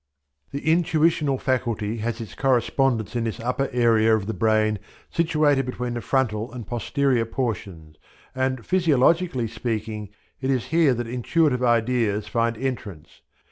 The intuitional faculty has its correspondence in this upper area of the brain situated between the frontal and posterior portions, and physiologically speaking, it is here that intuitive ideas find entrance.